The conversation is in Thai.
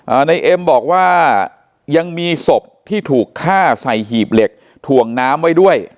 ในเอ็มบอกว่ายังมีศพที่ถูกฆ่าใส่หีบเหล็กถ่วงน้ำไว้ด้วย